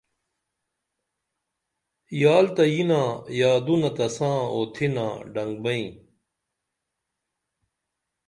یال تہ ینہ یادونہ تساں اوتھِنا ڈنگبئں